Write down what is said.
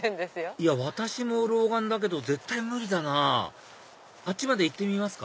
いや私も老眼だけど絶対無理だなぁあっちまで行ってみますか？